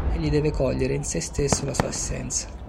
Egli deve cogliere in se stesso la sua essenza.